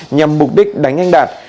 nhằm mục đích đánh anh đạt